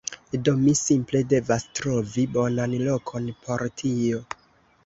Do, mi simple devas trovi bonan lokon por tio